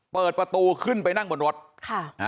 เปิดประตูขึ้นไปนั่งบนรถ